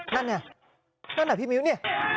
นั่นน่ะนั่นน่ะพี่มิ้วนี่